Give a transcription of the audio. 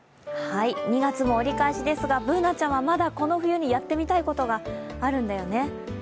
２月も折り返しですが、Ｂｏｏｎａちゃんはこの冬にやってみたいことがあるんだよね？